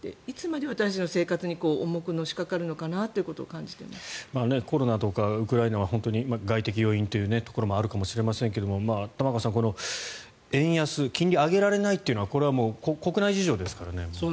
いつまで私たちの生活に重くのしかかるのかなとコロナとかウクライナは外的要因というところもあるかもしれませんが玉川さん、円安金利を上げられないというのはこれはもう国内事情ですからね。